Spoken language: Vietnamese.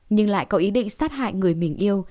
nhưng lại có ý định sát hại người mình yêu